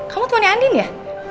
kamu temannya andin ya